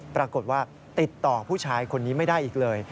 ปรากฏว่าติดต่อผู้ชายคนนี้ไม่ได้อีกเลย